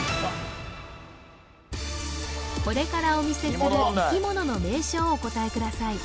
これからお見せする生き物の名称をお答えください